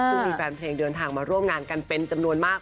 ซึ่งมีแฟนเพลงเดินทางมาร่วมงานกันเป็นจำนวนมาก